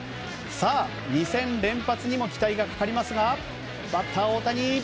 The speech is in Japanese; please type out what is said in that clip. ２戦連発にも期待がかかりますがバッター、大谷。